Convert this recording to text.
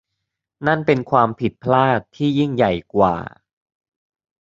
นั่นเป็นความผิดพลาดที่ยิ่งใหญ่กว่า